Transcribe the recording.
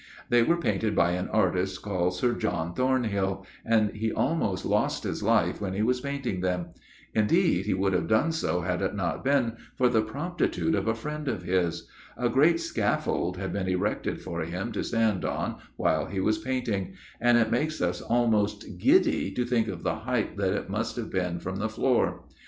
They were painted by an artist called Sir John Thornhill, and he almost lost his life when he was painting them. Indeed, he would have done so had it not been for the promptitude of a friend of his. A great scaffold had been erected for him to stand on while he was painting, and it makes us almost giddy to think of the height that it must have been from the floor.